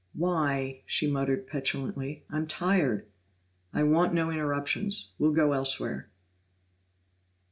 "Why?" she muttered petulantly. "I'm tired." "I want no interruptions. We'll go elsewhere."